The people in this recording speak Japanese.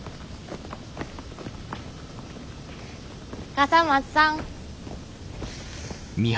笠松さん。